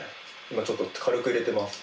今ちょっと軽く入れてます。